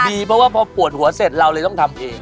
ดีเพราะว่าพอปวดหัวเสร็จเราเลยต้องทำเอง